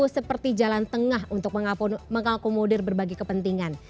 seperti jalan tengah untuk mengakomodir berbagai kepentingan